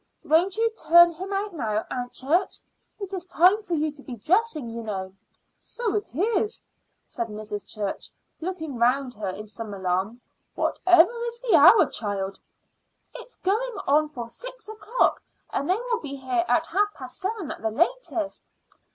Won't you turn him out now, Aunt Church? It is time for you to be dressing, you know." "So it is," said Mrs. Church, looking round her in some alarm. "Whatever is the hour, child?" "It is going on for six o'clock; and they will be here at half past seven at the latest."